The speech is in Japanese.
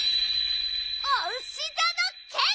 おうしざのけん！